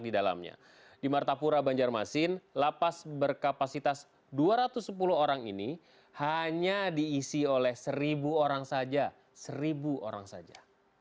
di dalamnya di martapura banjarmasin lapas berkapasitas dua ratus sepuluh orang ini hanya diisi oleh seribu orang saja seribu orang saja